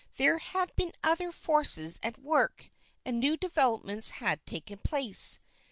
There had been other forces at work, and new developments had taken place.